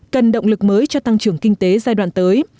cần động lực mới cho tăng trưởng kinh tế giai đoạn tới